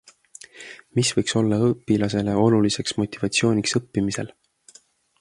Mis võiks olla õpilasele oluliseks motivatsiooniks õppimisel?